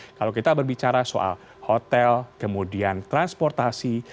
belum lagi kalau kita berbicara soal hotel kemudian transportasi